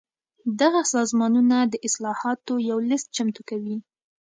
دغه سازمانونه د اصلاحاتو یو لېست چمتو کوي.